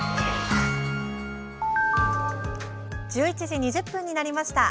１１時２０分になりました。